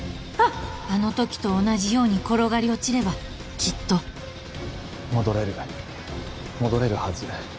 あの時と同じように転がり落ちればきっと戻れる戻れるはず